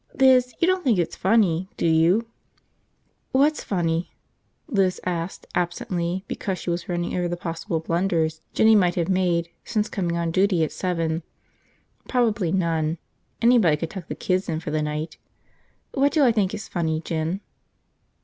"Liz, you don't think it's funny, do you?" "What's funny?" Lizette asked, absently because she was running over the possible blunders Jinny might have made since coming on duty at seven. Probably none. Anybody could tuck the kids in for the night. "What do I think is funny, Jin?"